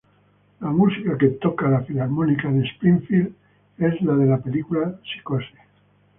La música que toca la Filarmónica de Springfield es la de la película "Psicosis".